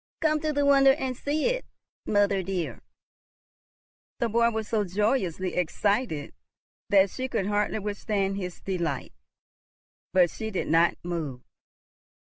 Come to the window and see it, mother dear." The boy was so joyously excited that she could hardly withstand his delight, but she did not move.